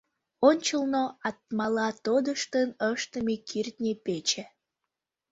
Ончылно атмала тодыштын ыштыме кӱртньӧ пече.